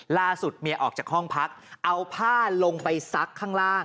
เมียออกจากห้องพักเอาผ้าลงไปซักข้างล่าง